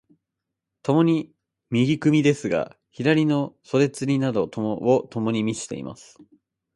共に右組ですが、左の袖釣などをともに見せています。